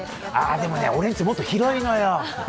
でも俺の家もっと広いのよ。